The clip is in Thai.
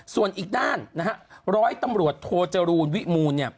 ส่วนอีกด้าน๑๐๐ตำรวจโทจรูนวิมูล